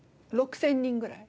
６０００人ぐらい。